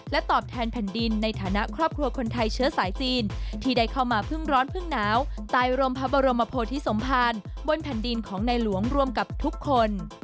ตอบแทนแผ่นดินในฐานะครอบครัวคนไทยเชื้อสายจีนที่ได้เข้ามาพึ่งร้อนพึ่งหนาวตายรมพระบรมโพธิสมภารบนแผ่นดินของในหลวงรวมกับทุกคน